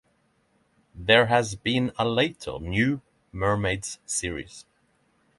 There has been a later New Mermaids Series.